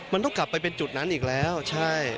มันต้องกลับไปเป็นจุดนั้นอีกแล้วใช่